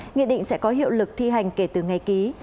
nghị định sẽ có hiệu lực thi hành kể từ ngày ký